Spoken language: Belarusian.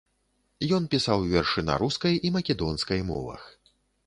Ён пісаў вершы на рускай і македонскай мовах.